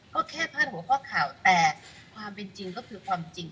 ก็แค่พาดหัวข้อข่าวแต่ความเป็นจริงก็คือความจริง